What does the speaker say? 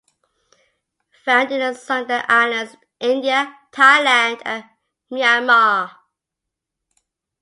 Found in the Sunda Islands, India, Thailand and Myanmar.